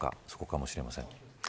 そこかもしれません。